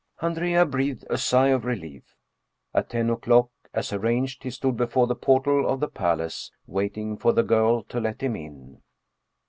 Andrea breathed a sigh of relief. At ten o'clock, as ar ranged, he stood before the portal of the palace waiting for the girl to let him in.